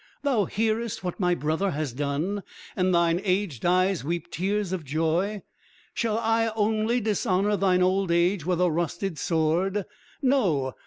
"Thou hearest what my brother has done, and thine aged eyes weep tears of joy. Shall I only dishonour thine old age with a rusted sword? No!